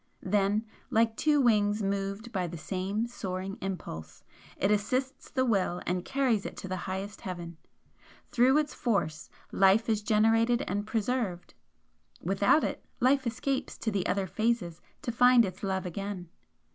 Then, like two wings moved by the same soaring impulse, it assists the Will and carries it to the highest heaven. Through its force life is generated and preserved without it, life escapes to other phases to find its love again.